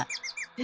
え？